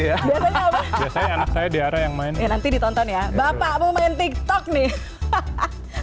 ya biasanya anak saya diarah yang main nanti ditonton ya bapakmu main tiktok nih hahaha